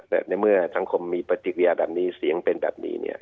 แต่ในเมื่อสังคมมีปฏิกิริยาแบบนี้เสียงเป็นแบบนี้เนี่ย